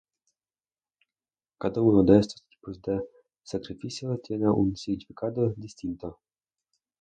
Cada uno de estos tipos de sacrificio tiene un significado distinto.